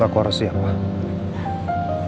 aku harus siap pak